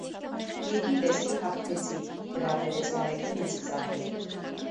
Եկի, տեսի, հաղթեցի,- վրա բերեց Գարեգինը ծիծաղելով: